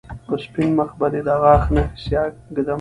په سپين مخ به دې د غاښ نښې سياه ږدم